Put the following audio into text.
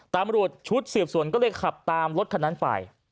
ตำรวจชุดสืบสวนก็เลยขับตามรถคันนั้นไป